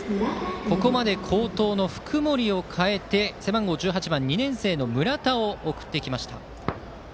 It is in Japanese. ここまで好投の福盛を代えて背番号１８番、２年生の村田を送ってきました。